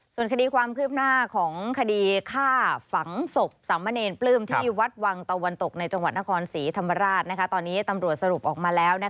ส่วนคดีความคืบหน้าของคดีฆ่าฝังศพสามเณรปลื้มที่วัดวังตะวันตกในจังหวัดนครศรีธรรมราชตอนนี้ตำรวจสรุปออกมาแล้ว